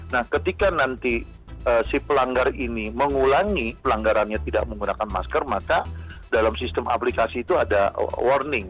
nah ketika nanti si pelanggar ini mengulangi pelanggarannya tidak menggunakan masker maka dalam sistem aplikasi itu ada warning